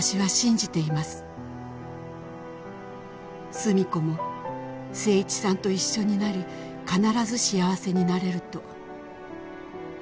「寿美子も誠一さんと一緒になり必ず幸せになれると」